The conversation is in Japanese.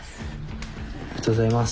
ありがとうございます。